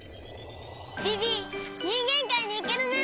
ビビにんげんかいにいけるね。